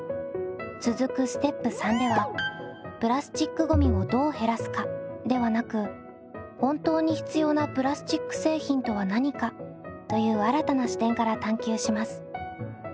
続くステップ③ではプラスチックごみをどう減らすかではなく本当に必要なプラスチック製品とは何かという新たな視点から探究します。